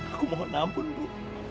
aku mohon ampun ibu